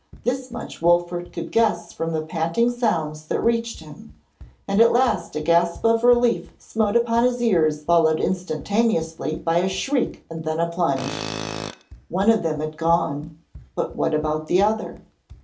This much Wolfert could guess from the panting sounds that reached him, and at last a gasp of relief smote upon his ears followed instantaneously by a shriek and then a plunge. One of them had gone, but what about the other?